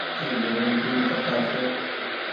اي گهريم تين پنکآ ڇي۔